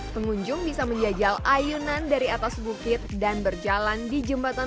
pengunjung bisa menjajal ayunan dari atas bukit dan berjalan di jembatan